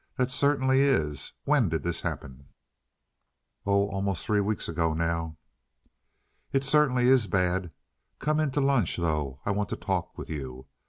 "That certainly is. When did this happen?" "Oh, almost three weeks ago now." "It certainly is bad. Come in to lunch, though. I want to talk with you.